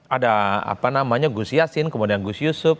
ada apa namanya gus yassin kemudian gus yusuf